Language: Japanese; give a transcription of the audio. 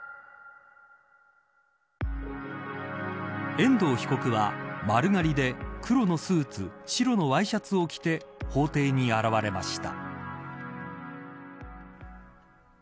遠藤被告は丸刈りで黒のスーツ白のワイシャツを着て法廷に現れました。